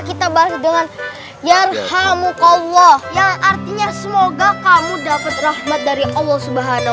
kita bahas dengan yaarhamuq allah yang artinya semoga kamu dapat rahmat dari allah subhanahu